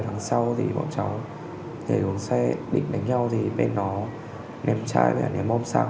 đằng sau thì bọn cháu nhảy đường xe định đánh nhau thì bên nó ném chai về ném bóp xăng